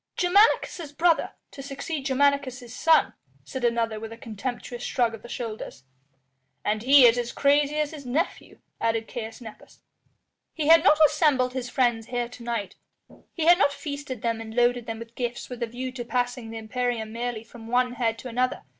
"Germanicus' brother to succeed Germanicus' son," said another with a contemptuous shrug of the shoulders. "And he is as crazy as his nephew," added Caius Nepos. He had not assembled his friends here to night, he had not feasted them and loaded them with gifts with a view to passing the imperium merely from one head to another.